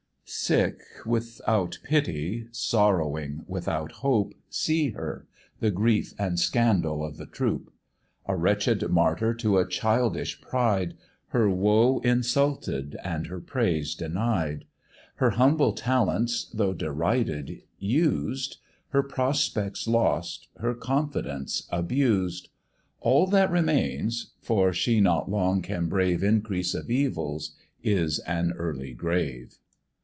Sick without pity, sorrowing without hope, See her! the grief and scandal of the troop; A wretched martyr to a childish pride, Her woe insulted, and her praise denied: Her humble talents, though derided, used, Her prospects lost, her confidence abused; All that remains for she not long can brave Increase of evils is an early grave.